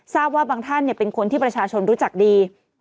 ทราบว่าบางท่านเป็นคนที่ประชาชนรู้จักดี